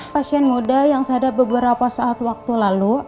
pasien muda yang sadar beberapa saat waktu lalu